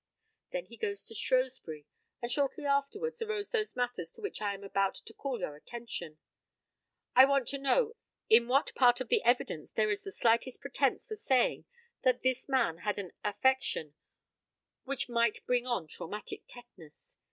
Then he goes to Shrewsbury, and shortly afterwards arose those matters to which I am about to call your attention. I want to know in what part of the evidence there is the slightest pretence for saying that this man had an affection which might bring on traumatic tetanus?